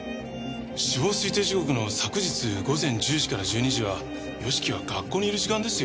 死亡推定時刻の昨日午前１０時から１２時は義樹は学校にいる時間ですよ。